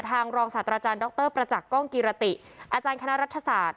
รองศาสตราจารย์ดรประจักษ์ก้องกิรติอาจารย์คณะรัฐศาสตร์